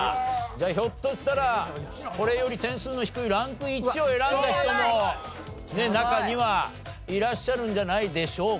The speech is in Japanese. じゃあひょっとしたらこれより点数の低いランク１を選んだ人もね中にはいらっしゃるんじゃないでしょうか。